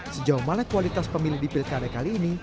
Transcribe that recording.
sejauh mana kualitas pemilih di pilkada kali ini